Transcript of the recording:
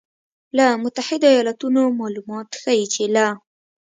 له متحدو ایالتونو مالومات ښیي چې له